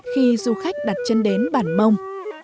khi du khách đặt chân đến bản mông